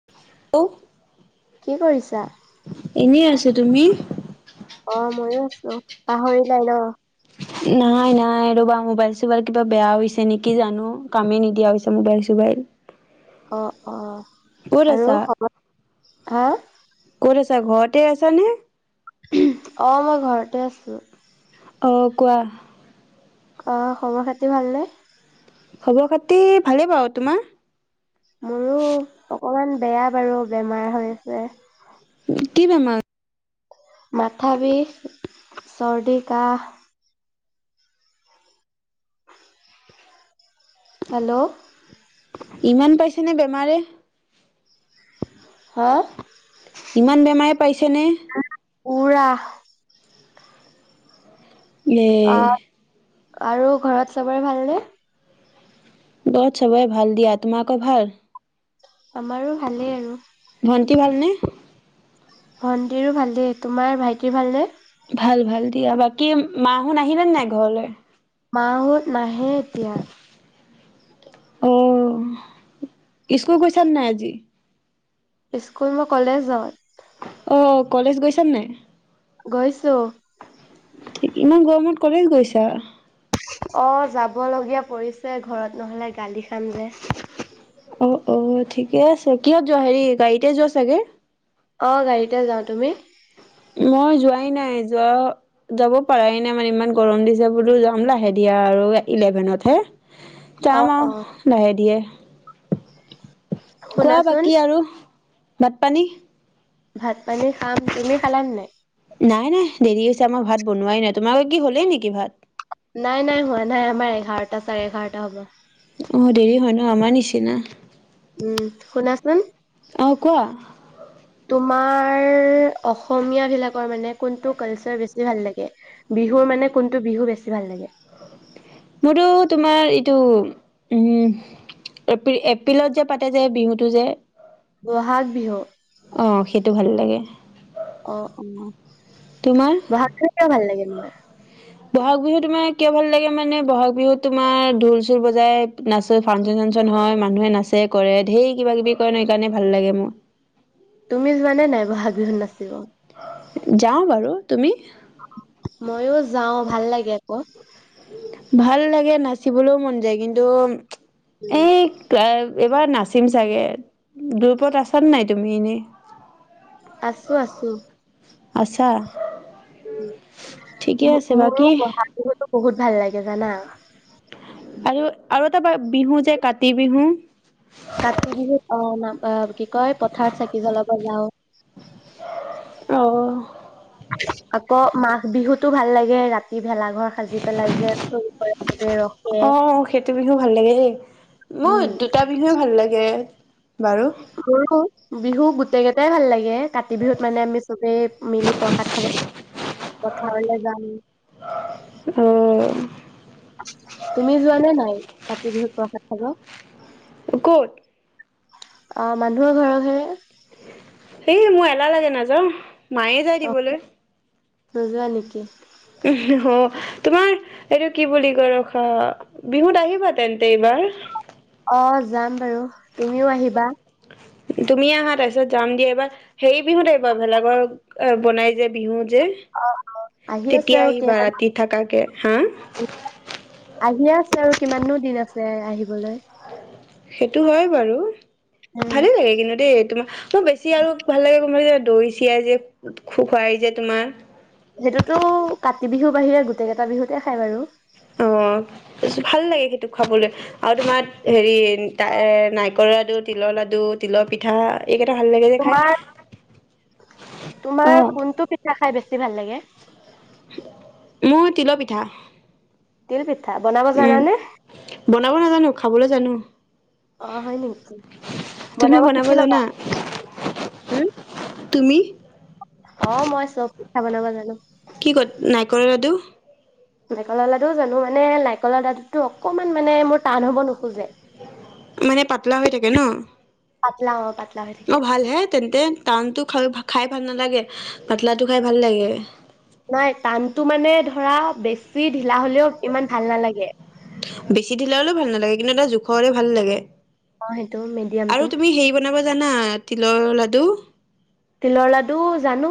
[unintelligible] [unintelligible] কি কৰিছা? এনেই আছোঁ, তুমি? অ', ময়ো আছোঁ। পাহৰিলাই ন? নাই, নাই ৰ'বা মোবাইল চোবাইল কিবা বেয়া হৈছে নেকি জানোঁ, কামেই নিদিয়া হৈছে মোবাইল চোবাইল। অ', অ'। ক'ত আৰু আছা? খবৰ হা? ক'ত আছা ঘৰতে আছা নে? অ', মই ঘৰতে আছোঁ। অ', কোৱা। অ', খবৰ খাতি ভালনে? খবৰ খাতি ভালে বাৰু, তোমাৰ? মোৰো অকণমান বেয়া বাৰু বেমাৰ হৈ আছে। কি বেমাৰ? মাথা বিষ, চৰ্দি কাঁহ। হেল্ল'। ইমান পাইছে নে বেমাৰে? হা? ইমান বেমাৰে পাইছা নে? পুৰা। এ অ', আৰু ঘৰত চাবৰে ভাল নে? ঘৰত চবৰে ভাল দিয়া, তোমা লোকৰ ভাল? আমাৰো ভালেই আৰু। ভণ্টি ভাল নে? ভণ্টিৰো ভালেই, তোমাৰ ভাইটিৰ ভালনে? ভাল ভাল দিয়া বাকী মাহুোন আহিলে নে নাই ঘৰলে? মাহত নাহে এতিয়া। অ, স্কুল গৈছা নাই আজি? স্কুল মই কলেজ যাওঁ। অ কলেজ গৈছা নাই! গৈছো। ঠিক, ইমান গৰমত কলেজ গৈছা? অ যাব লগীয়া পৰিছে ঘৰত, নহ'লে গালি খাম যে। অ অ ঠিকে আছে কিয় যোৱা হেৰি গাড়ীতে যোৱা চাগে। অ গাড়ীতে যাওঁ, তুমি! মই যোৱাই নাই যোৱ যাব পাৰাই নাই মানে ইমান গৰম দিছে বোলো যাম লাহে ধীৰে আৰু ইলেভেনত হে। [inaudible] যাম অ আৰু লাহে ধীৰে, কোৱা শুনাচোন বাকী আৰু। ভাত পানী? ভাত পানী খাম তুমি খালান নাই? নাই নাই দেৰি আছে আমাৰ ভাত বনোৱাই নাই, তোমাৰ কি হলেই নেকি ভাত? নাই নাই হোৱা নাই আমাৰ এঘাৰটা চাৰে এঘাৰটা হ'ব। অ দেৰি হয় ন আমাৰ নিচিনা। উম, শুনাচোন। অ কোৱা। তোমাৰ অসমীয়া বিলাকৰ মানে কোনটো কালচাৰ বেছি ভাল লাগে, বিহুৰ মানে কোনটো বিহু বেছি ভাল লাগে? মোৰতো তোমাৰ এইটো, উম এিপ্ৰ এপ্ৰিলত যে পাতে যে বিহুটো যে! বহাগ বিহু। অৱ সেইটো ভাল লাগে। অ অ, তোমাৰ? বহাগ বিহু কিয় ভাল লাগে তোমাৰ? বহাগ বিহু তোমাৰ কিয় ভাল লাগে মানে বহাগ বিহুত তোমাৰ ঢোল চুল বজাই নাচ ত ফাংচন চাংচন হয়, মানুহে নাচে কৰে ধেই কিবা কিবি কৰে ন সেইকাৰণে ভাল লাগে মোৰ। তুমি যোৱানে নাই বহাগ বিহুত নাচিব? যাওঁ বাৰু তুমি? মইয়ো যাওঁ ভাল লাগে আক। ভাল লাগে নাচিবলৈও মন যায় কিন্তু, উম এই এইবাৰ নাচিম চাগে, গ্ৰোপত আছান নাই তুমি এনেই আছো আছো। আছা! ঠিকে আছে বাকী মোৰো বহাগ বিহুটো বহুত ভাল লাগে জানা। আৰু আৰু এটা বিহু যে কাতি বিহু। কাতি বিহুত অ কি কয় পথাৰত চাকি জ্বলাব যাওঁ। অ আকৌ মাঘ বিহুতো ভাল লাগে ৰাতি ভেলাঘৰ সাজি পেলাই যে চোৰ কৰে যে ৰখে। অ সেইটো বিহু ভাল লাগে দেই। মোৰ উম, দুটা বিহুৱে ভাল লাগে বাৰু। মোৰো বিহু গোটেই কেইটাই ভাল লাগে। কাতি বিহুত মানে আমি চবেই মিলি প্ৰসাদ খাব পথাৰলৈ যাম। অ'! তুমি যোৱানে নাই, কাতি বিহুত প্ৰসাদ খাব? ক'ত? অ'! মানুহৰ ঘৰে-ঘৰে। সেই, মোৰ এলাহ লাগে, নাযাওঁ। মায়ে যায় অ' দিবলৈ। নোযোৱা নেকি? ওহোঁ অ'! তোমাৰ, এইটো কি বুলি কয়, ৰখা বিহুত আহিবা, তেন্তে এইবাৰ? অ'! যাম বাৰু। তুমিও আহিবা? তুমি আহা, তাৰপিছত যাম দিয়া। এইবাৰ সেৰি বিহুত আহিবা, ভেলা ঘৰ বনাই যে, বিহু যে। অ' অ'! আহি আছে তেতিয়া আৰু কেই আহিবা ৰাতি থাকাকে, হা! আহিয়ে আছে আৰু কিমাননো দিন আছে, আহিবলৈ। সেইটো হয় বাৰু, উম ভালেই লাগে, কিন্তু দেই! তোমাৰ ত' বেছি আৰু ভাল লাগে, গম [unintelligible] যে দৈ-চিৰাই যে খু-খুৱাই যে তোমাৰ। সেইটোতো কাতি বিহুৰ বাহিৰে, গোটেই কেইটা বিহুতে খাই বাৰু। অ'! ভাল লাগে, সেইটো খাবলৈ। আৰু তোমা, সেৰি এ, নাৰিকলৰ লাডু, তিলৰ লাডু, তিলৰ পিঠা, এইকেইটা ভাল লাগে যে খাই! তোমাৰ অ'। তেতিয়া, খাই বেছি ভাল লাগে! মোৰ তিল পিঠা। তিল পিঠা, বনাব উম জানানে? বনাব নাজানোঁ, খাবলৈ জানোঁ। অ'! হয় নেকি? তুমি বনাব শিকি ল'বা। জানা হুম। [unintelligible] তুমি? অ'! মই চব পিঠা বনাব জানোঁ। কি ক'ত, নাৰিকল লাডু? নাৰিকলৰ লাডুও জানোঁ। মানে, নাৰিকলৰ লাডুটো অকণমান মানে, মোৰ টান হব নোখোঁজে। মানে, পাতলা হৈ থাকে ন'? পাতলা অ'! পাত অ' ভালহে তেন্তে। টানটো খা-খাই ভাল নালাগে, পাতলাটো খাই ভাল লাগে। নাই, টানতো মানে ধৰা, বেছি ঢিলা হ'লেও ইমান ভাল নালাগে। বেছি ঢিলা হ'লেও ভাল নালাগে। কিন্তু, এটা জোখৰ হ'লে ভাল লাগে। অ সেইটো আৰু মিডিয়ামটো। তুমি সেই বনাব জানা, তিলৰ লাডু? তিলৰ লাডু জানোঁ।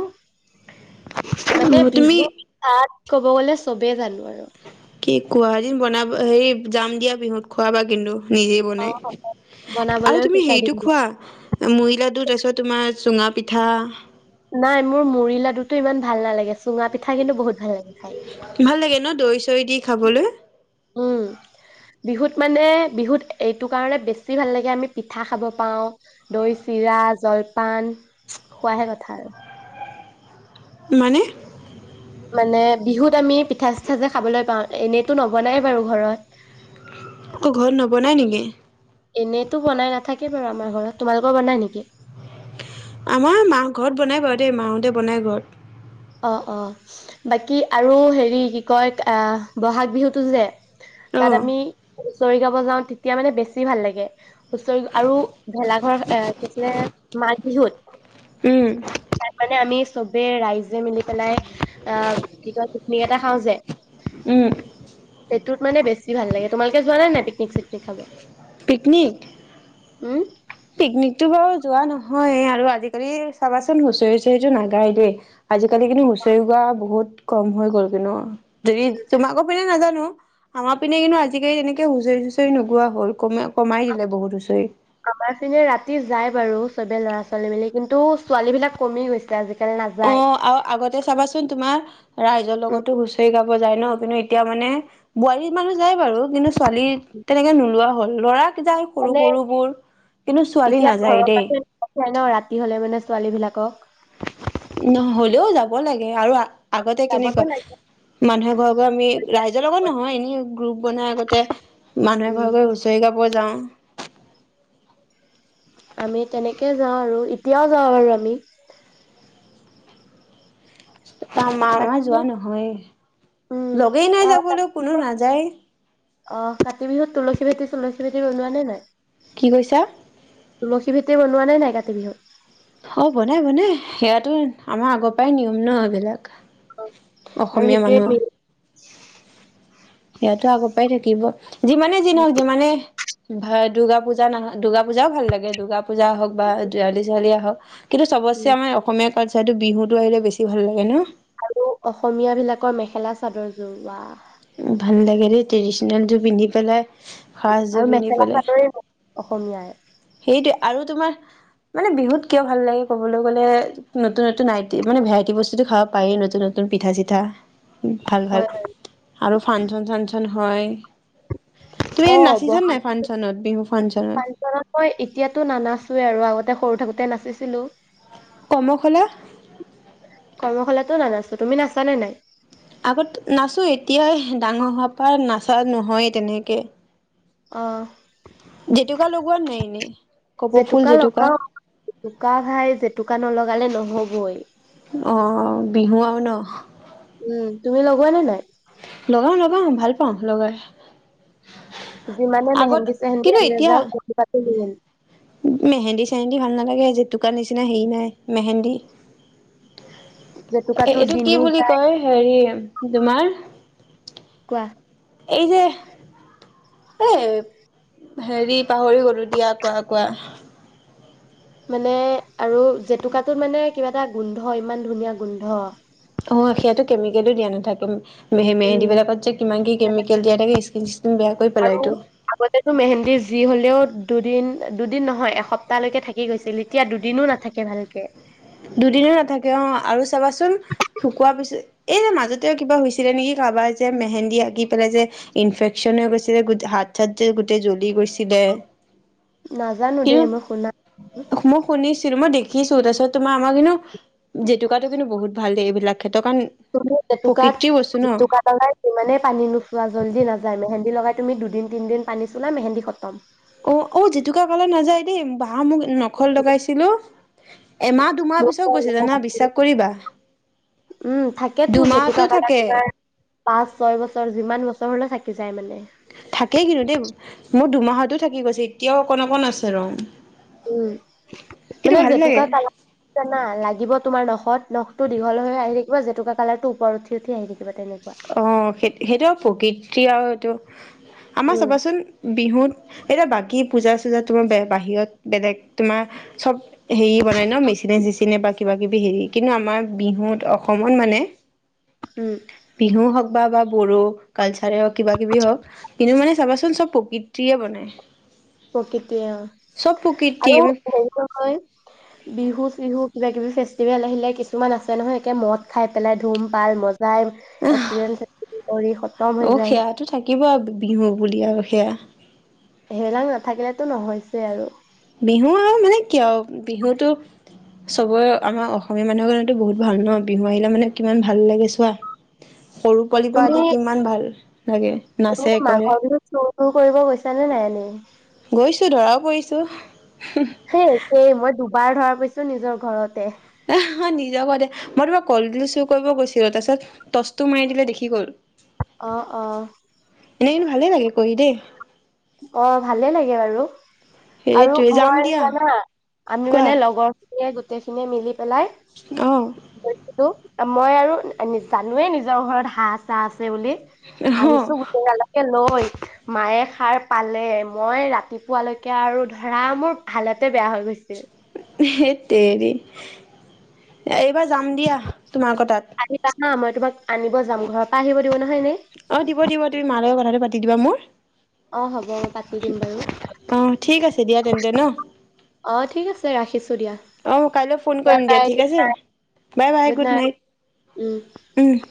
মানে, তুমি বিহু তাত, ক'ব গ'লে চবেই জানোঁ আৰু। কি কোৱা! এদিন বনা, সেৰি যাম দিয়া বিহুত। খোৱাবা কিন্তু? নিজেই অ বনাই। আৰু বনাবলৈও তুমি শিকাই সেৰিটো দিম দিয়া। খোৱা? মুড়ি লাডু, তাৰপিছত তোমাৰ, চুঙা পিঠাৰ। নাই, মোৰ মুড়ি লাডুটো ইমান ভাল নালাগে, চুঙা পিঠা কিন্তু বহুত ভাল লাগে খাই! ভাল লাগে ন'! দৈ-চৈ দি খাবলৈ। উম! বিহুত মানে, বিহুত এইটো কাৰণে, বেছি ভাল লাগে! আমি পিঠা খাব পাওঁ। দৈ, চিৰা, জলপান, খোৱাহে কথা আৰু। মানে? মানে, বিহুত আমি পিঠা চিঠা যে খাবলৈ পাওঁ এনেইতো নবনাই বাৰু ঘৰত। ক ঘৰত নবনাই নেকি? এনেইতো বনাই নাথাকে বাৰু আমাৰ ঘৰত। তোমালোকৰ বনাই নেকি? আমাৰ মাহ ঘৰত বনায় বাৰু দেই মাহঁতে বনায় ঘৰত। অ', অ', বাকী, আৰু হেৰি কি কয় আ, বহাগ বিহুতটো যে অ তাত আমি হুঁচৰি গাব যাঁও তেতিয়া মানে বেছি ভাল লাগে। হুঁচৰি আৰু ভেলাঘৰ এ, কি আছিলে মাঘ বিহুত। উম। তাত মানে আমি চবে ৰাইজে মিলি পেলাই আ, কি কয় পিকনিক এটা খাঁও যে। উম। সেইটোত মানে বেছি ভাল লাগে। তোমালোকে যোৱা নাই পিকনিক চিকনিক খাব? পিকনিক? উম। পিকনিকতটো বাৰু যোৱা নহয়, আৰু আজিকালি চাবাচোন হুঁচৰি হুঁচৰিটো নাগায় দেই। আজিকালি কিন্তু হুঁচৰি গোৱা বহুত কম হৈ গ'ল কিন্তু। হেৰি তোমাকো পিনে নাজানোঁ। আমাৰ পিনে কিন্তু আজিকালি তেনেকে হুঁচৰি চুচৰি নোগোৱা হ'ল কমে কমাই দিলে বহুত হুঁচৰি। আমাৰ পিনে ৰাতি যায় বাৰু চবে ল'ৰা-ছোৱালী মিলি। কিন্তু ছোৱালী বিলাক কমি গৈছে আজিকালি অ নাযায়। আৰু আগতে চাবাচোন তোমাৰ ৰাইজৰ উম লগতো হুঁচৰি গাব যায় ন', কিন্তু এতিয়া মানে বোৱাৰী মানুহ যায় বাৰু কিন্তু ছোৱালী তেনেকে নোলোৱা হ'ল, ল'ৰাক যায়। সৰু, মানে সৰু বোৰ। কিন্তু ছোৱালী এতিয়া ঘৰৰ নাযায় দেই। [unintelligible] ন' ৰাতি হলে মানে ছোৱালী বিলাকক। নহ'লেও যাব লাগে, আৰু আগতে কেনেকুৱা যাবতো লাগিবই মানুহে ঘৰে, ঘৰে আমি ৰাইজৰ লগত নহয় এনে গ্ৰুপ বনাই আগতে মানুহে উম ঘৰে ঘৰে গৈছ্ হুঁচৰি গাব যাওঁ। আমি তেনেকে যাওঁ আৰু এতিয়াও যাওঁ বাৰু আমি। তা মামা বাকী যোৱা নহয়ে। উম লগেই নাই অ যাবলৈ কোনো নাযায়ে। অ', কাতি বিহুত তুলসী ভেতি চুলসী ভেটি বনোৱা নে নাই? কি কৈছা? তুলসী ভেতি বনোৱানে নাই কাতি বিহুত? অ', বনাই, বনাই। সেয়াতো আমাৰ আগৰ পৰাই নিয়ম ন' এইবিলাক। আৰু অসমীয়া সেইটোৱে মানুহৰ। মেইন সেয়াতো আগৰ পৰাই থাকিব। যিমানে যি নহওঁক, যিমানে ভা দুৰ্গা পূজা নহ দুৰ্গা পূজাও ভাল লাগে, দূৰ্গা পূজা হওঁক বা দেৱালি চেৱালি আহক কিন্তু চবতচে আমাৰ অসমীয়া কালচাৰটোত বিহুটো আহিলে বেছি ভাল লাগে ন? আৰু অসমীয়া বিলাকৰ মেখেলা চাদৰ যোৰ ৱাহ। ভাল দেই ট্ৰেদিচনেল যোৰ পিন্ধি পেলাই সাজযোৰ আৰু পিন্ধি মেখেলা পেলাই চাদৰে [unintelligible] অসমীয়াৰ। সেইটোৱে আৰু তোমাৰ মানে বিহুত কিয় ভাল লাগে ক'বলৈ গ'লে নতুন, নতুন আইটি মানে ভেৰাইটি বস্তুতো খাব পাৰেই নতুন, নতুন পিঠা চিঠা। ভাল, হয় ভাল। আৰু ফাংচন চাংচন হয়। অ তুমি নাচিছা বহাগ নাই ফাংচনত, বিহু ফাংচনত? [unintelligible] মই এতিয়াতো নানাচোৱে আৰু আগতে সৰু থাকোতে নাচিছিলোঁ। কৰ্মশালা? কৰ্মশালাতো নানাচো, তুমি নাচান নে নাই? আগত নাচোঁ এতিয়াই ডাঙৰ হোৱাৰ পৰা নাচা নহয় তেনেকে। অ'। জেতুকা লগোৱা নাই এনেই কপৌ ফুল জেতুকা? উকা ঘাই জেতুকা নলগালে নহ'বই। অ', বিহু আৰু ন? উম, তুমি লগোৱা নে নাই? লগাওঁ লগাওঁ ভাল পাওঁ লগাই। যিমানে আগত মেহেন্দী চেহেন্দি কিন্তু আহি এতিয়া নাযাওঁক জেতুকাটো মেইন। মেহেন্দী চেহেন্দী ভাল নালাগে জেতুকাৰ নিচিনা হেৰি নাই মেহেন্দী। জেতুকাটো এইটো কি দিনো বুলি কয় হেৰি তোমাৰ। কোৱা। এই যে এ হেৰি পাহৰি গ'লো দিয়া কোৱা কোৱা। মানে আৰু জেতুকাটোত মানে কিবা এটা গোন্ধ ইমান ধুনীয়া গোন্ধ। অ', সেয়াতো কেমিকেলো দিয়া নাথাকে। মেহে মেহেন্দিবিলাকত যে কিমান কি কেমিকেল দিয়া থাগে স্কিন চিস্কিন বেয়া কৰি পেলাইটো। আগতেটো মেহেন্দী যি হ'লেও দুদিন দুদিন নহয় এসপ্তাহ লৈকে থাকি গৈছিল। এতিয়া দুদিনো নাথাকে ভালকে। দুদিনে নাথাকে অ' আৰু চাবাচোন শুকোৱাৰ পিছত এই যে মাজতে কিবা নেকি কাৰোবাৰ যে মেহেন্দী আঁকি পেলাই যে। ইনফেকশ্যন হৈ গৈছিলে গোটে হাত চাত যে গোটেই জ্বলি গৈছিলে। নাজানো কিন্তু দেই মই শুনা [unintelligible] মই শুনিছিলো মই দেখিছো তাৰপিছত তোমাৰ আমাৰ কিন্তু জেতুকাটো কিন্তু বহুত ভাল দেই এইবিলাক ক্ষেত্ৰত। কাৰণ তুমি জেতুকাত প্ৰকৃতিৰ বস্তু ন জেতুকাত [unintelligible] ইমানেই পানী নোচোৱা জল্দি নাযায় মেহেন্দী লগাই তুমি দুদিন তিনদিন পানী চোলা মেহেন্দী খতম। অ', অ', জেতুকা কালাৰ নাযায় দেই বাহ মই নখত লগাইছিলো। এমাহ দুমাহ পিছত গৈছে জানা বিশ্বাস কৰিবা। উম, থাকেতো দুমাহতো জেতুকা কালাৰ থাকে তোমাৰ পাঁচ ছয় বছৰ যিমান বছৰ হ'লেও থাকি যায় মানে। থাকে কিন্তু দেই মোৰ দুমাহতো থাকি গৈছে এতিয়াও অকণ অকণ আছে ৰং। উম, কিন্তু মানে ভাল জেতুকা লাগে কালা জানা লাগিব তোমাৰ নখত নখতো দীঘল হৈ আহি থাকিব জেতুকা কালাৰটো ওপৰত উঠি উঠি আহি থাকিব তেনেকে অ', সেই সেইটো আৰু প্ৰকৃতি আৰু এইটো আমাৰ উম চাবাচোন বিহুত এতিয়া বাকী পূজা চূজা তোমাৰ বাহিৰত বেলেগ তোমাৰ চব হেৰি বনায় ন মেচিনে চেচিনে বা কিবা কিবি হেৰি কিন্তু আমাৰ বিহুত অসমত মানে। উম। বিহু হওঁক বা বা বড়ো কালচাৰে হওঁক কিবা কিবি হওঁক। কিন্তু মানে চাবাচোন চব প্ৰকৃতিয়ে বনায়। প্ৰকৃতিয়ে চব অ' প্ৰকৃতি আৰু আমি হেৰি নহয় বিহু চিহু কিবা কিবি ফেষ্টিভেল আহিলে কিছুমান আছে নহয় একে মদ খাই পেলাই ধুম পাল মজাই। এক্সিডেণ্ট চেক্সিডেণ্ট কৰি খতম হৈ যায়। কিবা বিহু বুলি আৰু সেয়া। হেইবিলাক নাথাকিলেতো নহয়ছেই আৰু। বিহু আৰু মানে কিয় আৰু বিহুটো চবৰে আমাৰ অসমীয়া মানুহৰ কাৰণেতো বহুত ভাল ন বিহু আহিলা মানে কিমান ভাল লাগে চোৱা। সৰু পোৱালি পৰা তুমি আদি কিমান ভাল লাগে। নাচে তুমি কৰে মাঘৰ বিহুত চুৰ-টুৰ কৰিব গৈছা নে নাই এনেই? গৈছো, ধৰাও পৰিছো। সেই একেই মই দুবাৰ ধৰা পৰিছো, নিজৰ ঘৰতে। এ নিজৰ ঘৰতে মই তোমাৰ কলডিল চুৰ কৰিব গৈছিলো। তাৰপিছত- টচটো মাৰি দিলে দেখি গল। অ' অ'। এনে কিন্তু ভালেই লাগে কৰি দেই। অ' ভালে লাগে বাৰু! আৰু সেইটোৱে যাম মই দিয়া জানা? আমি কোৱা মানে লগৰ গোটেই খিনিয়ে মিলি পেলাই। অঁ। গৈছিলো মই আৰু জানোৱে নিজৰ ঘৰত হাঁহ-চাহ আছে বুলি। অ আহিছো গোটেইগালকে লয়, মায়ে সাৰ পালে মই ৰাতিপুৱালৈকে আৰু ধৰা মোৰ ভালতে বেয়া হৈ গৈছে। সেইত তেৰি! এইবাৰ যাম দিয়া তোমাৰ লগৰ তাত। আহিবা হা'! মই তোমাক আনিব যাম। ঘৰৰ পৰা আহিব দিব নহয় এনেই? অঁ দিব দিব, তুমি মাৰ লগত কথাটো পাতি দিবা মোৰ। অ হ'ব মই পাতি দিম বাৰু অ' ঠিক আছে দিয়া তেন্তে ন'। অ ঠিক আছে ৰাখিছো দিয়া অহ' কাইলৈ ফোন বাই কৰিম দিয়া বাই ঠিক আছে। Bye bye! Good night. উম'। উম'।